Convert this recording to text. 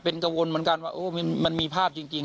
เป็นกระวนเหมือนกันว่าโอ้มันมีภาพจริงจริง